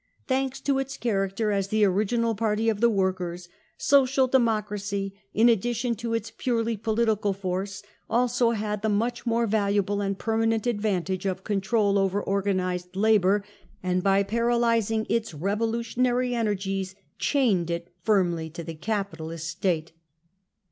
... Thank? to its character as the original party of the workers, Social Democracy, in addition to its purely political force, also had the much more valuable and permanent advantage of control over organised labour, and by paralysing its revolutionary energies chained it firmly to the capitalist State.